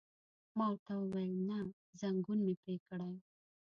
ما ورته وویل: نه، ځنګون مې پرې کړئ.